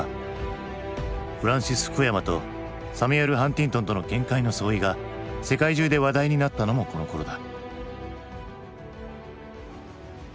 フランシス・フクヤマとサミュエル・ハンティントンとの見解の相違が世界中で話題になったのもこのころだ。